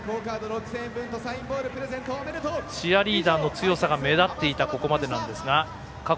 チアリーダーの強さが目立っていたここまでなんですが。